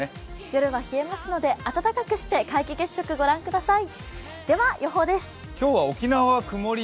夜は冷えますので、温かくしてご覧ください。